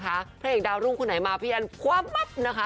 ได้ไหมได้ไหมทางเอกดาวรุ้งคู่ไหนมาพี่แอนความมัดนะคะ